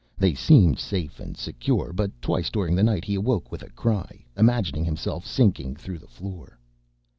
They seemed safe and secure, but twice during the night he awoke with a cry, imagining himself sinking through the floor.